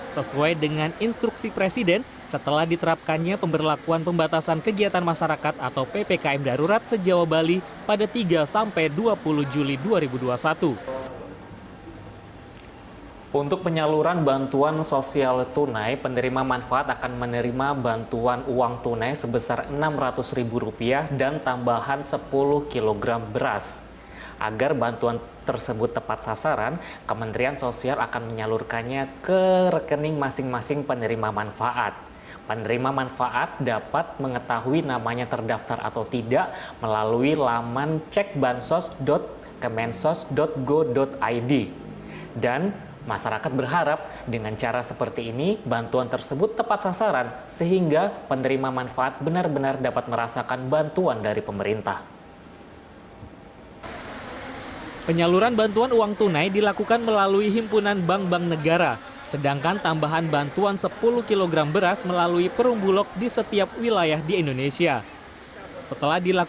sesuai dengan instruksi presiden setelah diterapkannya pemberlakuan pembatasan kegiatan masyarakat atau ppkm darurat sejauh bali pada tiga dua puluh juli dua ribu dua puluh satu